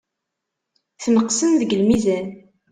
Tneqsem deg lmizan.